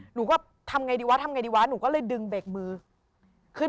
หนูก็คิดว่าทำไงดีหนูก็เลยดึงเบรคมือ